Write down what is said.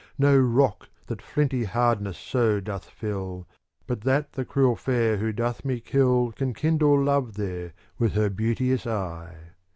No rock that flinty hardness so doth fill. But that the cruel fair who doth me kill Can kindle love there with her beauteous eye.